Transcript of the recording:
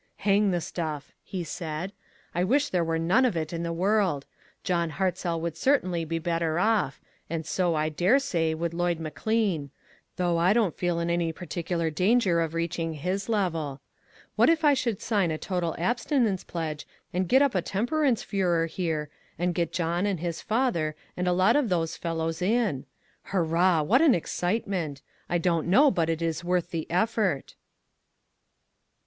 "Hang the stuff!" he said. "I wis'h there were none of it in the world. John Hartzell would certainly be better off, and so, I dare say, would Lloyd McLean — though I "LABORERS TOGETHER. 24! don't feel in any particular danger of reach ing his level. What if I should sign a total abstinence pledge, and get up a temperance furor here, and get John, and his father, and a lot of those fellows, in? Hurrah! What an excitement ! I don't know but it is worth the effort."